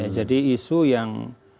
jadi isu yang